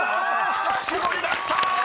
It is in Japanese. ［絞り出した！］